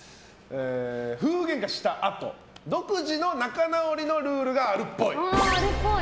夫婦げんかしたあと、独自の仲直りのルールがあるっぽい。